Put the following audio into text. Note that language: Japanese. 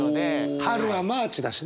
春は「マーチ」だしね！